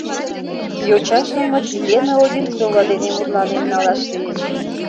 Йоча-шамыч Лена Одинцова дене мутланен налаш лийыч.